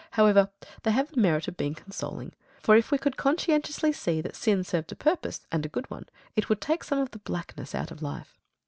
However, they have the merit of being consoling; for if we could conscientiously see that sin served a purpose, and a good one, it would take some of the blackness out of life.